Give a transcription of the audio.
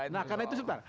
nah karena itu sebentar